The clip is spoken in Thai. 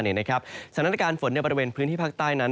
สถานการณ์ฝนในบริเวณพื้นที่ภาคใต้นั้น